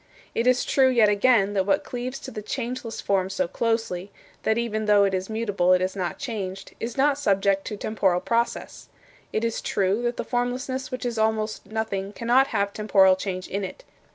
It is true, yet again, that what cleaves to the changeless form so closely that even though it is mutable it is not changed is not subject to temporal process. It is true that the formlessness which is almost nothing cannot have temporal change in it.